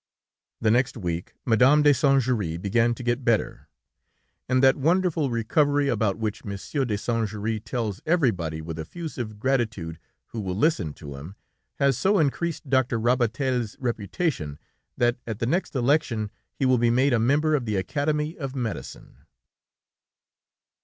The next week, Madame de Saint Juéry began to get better, and that wonderful recovery about which Monsieur de Saint Juéry tells everybody with effusive gratitude, who will listen to him, has so increased Doctor Rabatel's reputation, that at the next election he will be made a member of the Academy of Medicine.